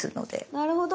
なるほど。